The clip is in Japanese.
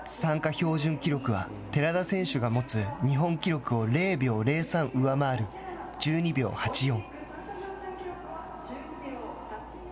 標準記録は寺田選手が持つ日本記録を０秒０３上回る１２秒８４。